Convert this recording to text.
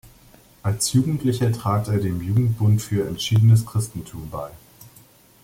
Als Jugendlicher trat er dem Jugendbund für entschiedenes Christentum bei.